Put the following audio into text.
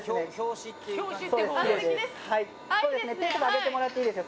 ・手とか上げてもらっていいですよ・・